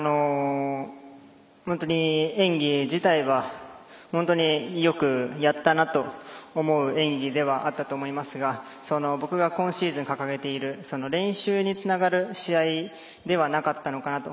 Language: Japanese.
演技自体は本当によくやったなという演技ではあったと思いますが僕が今シーズン掲げている練習につながる試合ではなかったのかなと。